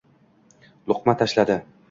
luqma tashladi.